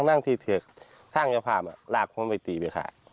นั่งที่เถกทางเจ้าภาพลากผมไปตีไปขาย